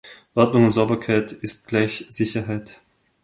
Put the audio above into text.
Ordnung und Sauberkeit ist gleich Sicherheit.